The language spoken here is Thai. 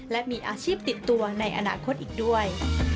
และมีอาชีพติดตัวในอนาคตอีกด้วย